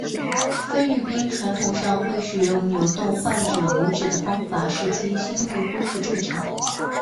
菲律宾传统上会使用扭动患者拇趾的方法使其心律恢复正常。